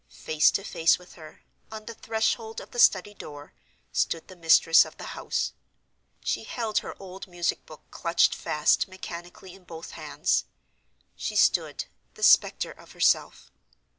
Face to face with her, on the threshold of the study door, stood the mistress of the house. She held her old music book clutched fast mechanically in both hands. She stood, the specter of herself.